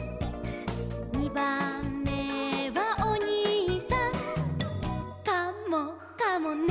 「にばんめはおにいさん」「カモかもね」